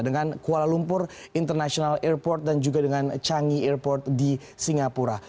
dengan kuala lumpur international airport dan juga dengan changi airport di singapura